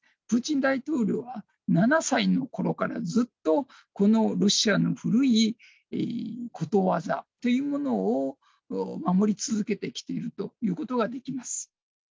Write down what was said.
プーチン大統領は７歳のころからずっとこのロシアの古いことわざっていうものを守り続けてきているということができます。